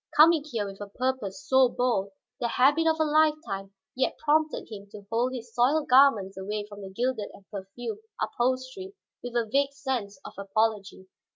Coming here with a purpose so bold, the habit of a lifetime yet prompted him to hold his soiled garments away from the gilded and perfumed upholstery with a vague sense of apology.